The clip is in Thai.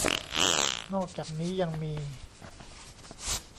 นอกจากนี้ยังมี